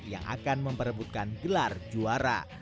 yang akan memperebutkan gelar juara